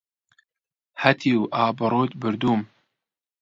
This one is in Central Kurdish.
هەتیو ئابڕووت بردووم!